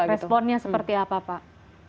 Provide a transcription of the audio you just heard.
responnya seperti apa pak